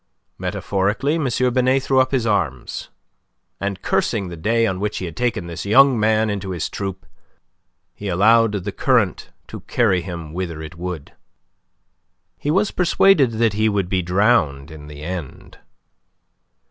Metaphorically, M. Binet threw up his arms, and cursing the day on which he had taken this young man into his troupe, he allowed the current to carry him whither it would. He was persuaded that he would be drowned in the end.